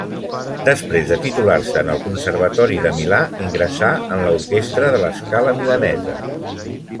Després de titular-se en el Conservatori de Milà ingressà en l'orquestra de La Scala milanesa.